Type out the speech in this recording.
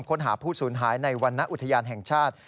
ค้นหาผู้สูญหายในวรรณอุทยานแห่งชาติ